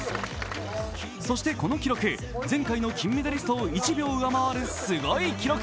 そしてこの記録、前回の金メダリストを１秒上回るすごい記録。